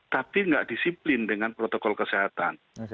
tapi tidak disiplin dengan protokol kesehatan